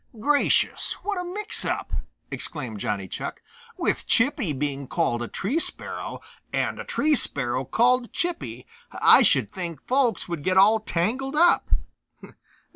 "Gracious, what a mix up!" exclaimed Johnny Chuck. "With Chippy being called a Tree Sparrow and a Tree Sparrow called Chippy, I should think folks would get all tangled up."